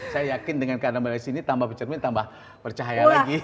saya yakin dengan karena mbak desi ini tambah bercermin tambah percahaya lagi